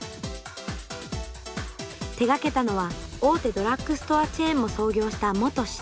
手がけたのは大手ドラッグストアチェーンも創業した☎はい。